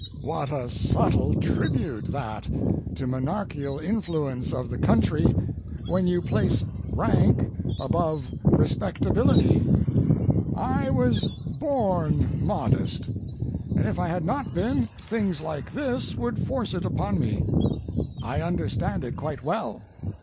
What a subtle tribute that to monarchial influence of the country when you place rank above respectability! I was born modest, and if I had not been things like this would force it upon me. I understand it quite well.